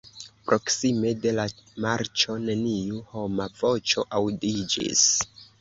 Proksime de la marĉo neniu homa voĉo aŭdiĝis.